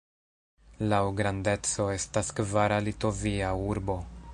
Laŭ grandeco estas kvara Litovia urbo.